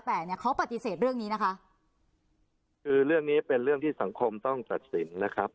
แต่เนี่ยเขาปฏิเสธเรื่องนี้นะคะคือเรื่องนี้เป็นเรื่องที่สังคมต้องตัดสินนะครับ